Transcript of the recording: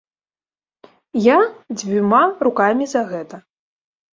Я дзвюма рукамі за гэта.